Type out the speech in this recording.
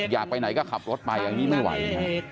อยากไปไหนก็ขับรถไปอย่างนี้ไม่ไหว